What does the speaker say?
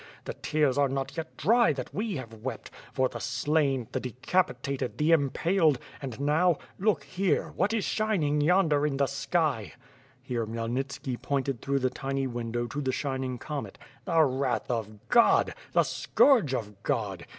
The tears are not yet dry that we have wepL for the slain, the decapitated, the impaled — and now — look here, what is shijiing yonder in the sky —" Here, Khmyelnitski pointed through the tiny window to the shining comet — "the wrath of God! the scourge of God!